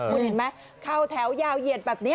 คุณเห็นไหมเข้าแถวยาวเหยียดแบบนี้